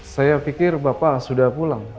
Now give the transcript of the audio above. saya pikir bapak sudah pulang